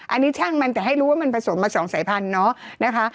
อันนี้ช่างมันแต่ให้รู้ว่ามันผสมมา๒สายพันธุเนอะนะคะ